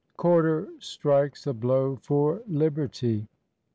CORDER STRIKES A BLOW FOR LIBERTY.